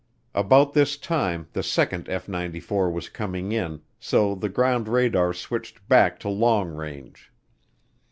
About this time the second F 94 was coming in, so the ground radar switched back to long range.